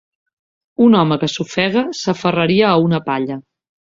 Un home que s'ofega s'aferraria a una palla.